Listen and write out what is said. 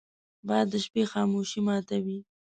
باد د شپې خاموشي ماتوي